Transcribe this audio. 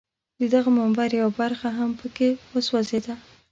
د دغه منبر یوه برخه هم په کې وسوځېده.